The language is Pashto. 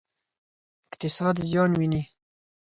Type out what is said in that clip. اقتصاد زیان ویني.